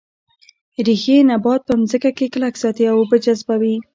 ریښې نبات په ځمکه کې کلک ساتي او اوبه جذبوي